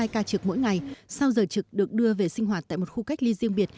hai ca trực mỗi ngày sau giờ trực được đưa về sinh hoạt tại một khu cách ly riêng biệt